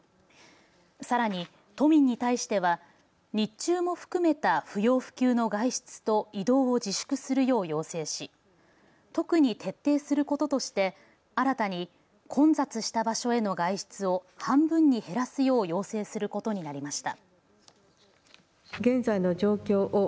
さらに都民に対しては日中も含めた不要不急の外出と移動を自粛するよう要請し、特に徹底することとして新たに混雑した場所への外出を半分に減らすよう要請することになりました。